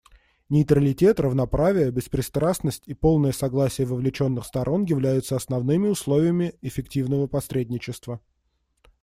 Нейтралитет, равноправие, беспристрастность и полное согласие вовлеченных сторон являются основными условиями эффективного посредничества.